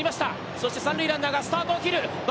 そして三塁ランナーがスタートを切る。